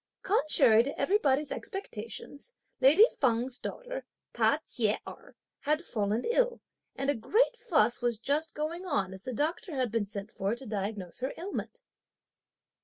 Contrary to everybody's expectations, lady Feng's daughter, Ta Chieh Erh, had fallen ill, and a great fuss was just going on as the doctor had been sent for to diagnose her ailment.